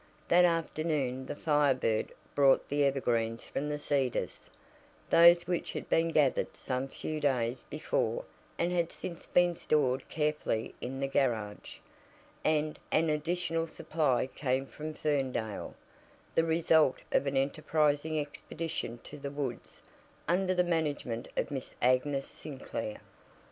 That afternoon the Fire Bird brought the evergreens from The Cedars those which had been gathered some few days before and had since been stored carefully in the garage and an additional supply came from Ferndale, the result of an enterprising expedition to the woods, under the management of Miss Agnes Sinclair.